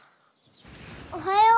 おはよう。